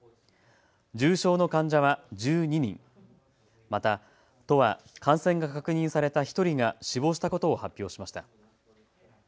重症の患者は１２人、また都は感染が確認された１人が死亡したことを発表しました。